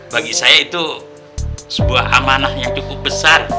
bagi saya itu sebuah amanah yang cukup besar